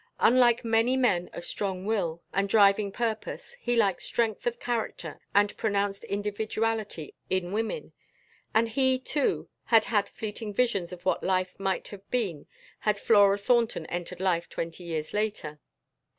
Unlike many men of strong will and driving purpose he liked strength of character and pronounced individuality in women; and he, too, had had fleeting visions of what life might have been had Flora Thornton entered life twenty years later.